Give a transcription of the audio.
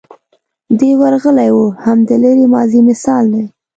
دی ورغلی و هم د لرې ماضي مثال دی.